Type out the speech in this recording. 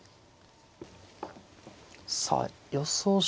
さあ予想